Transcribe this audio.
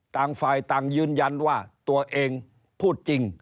ต่างฝ่ายต่างยืนยันว่าตัวเองพูดจริง